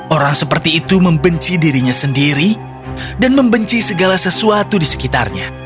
orang seperti itu membenci dirinya sendiri dan membenci segala sesuatu di sekitarnya